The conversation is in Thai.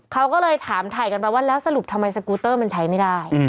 คุณถามไทยกันว่าสรุปทำไมสกูเตอร์ใช้ไม่ได้